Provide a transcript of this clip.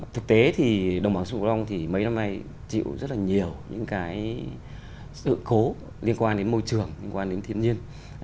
thực tế thì đồng bảo sụng công thông thì mấy năm nay chịu rất là nhiều những cái sự cố liên quan đến môi trường liên quan đến thiên nhiên